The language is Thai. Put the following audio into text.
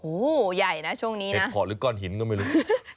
หูหูใหญ่นะช่วงนี้นะเหตุผลหรือกล้อนหินก็ไม่รู้